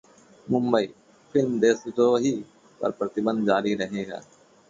Mumbai: film 'Deshdrohi' पर प्रतिबंध जारी रहेगा